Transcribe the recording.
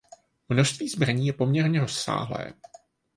Množství zbraní je poměrně rozsáhlé.